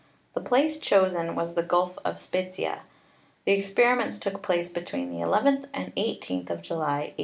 The place chosen was the Gulf of Spezzia. The experiments took place between the nth and the 18th of July, 1897.